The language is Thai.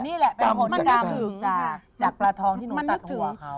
เป็นผลกรรมจากปลาทองที่นุนตัดหัวเขา